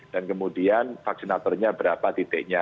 dan kemudian vaksinatornya berapa titiknya